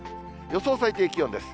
予想最低気温です。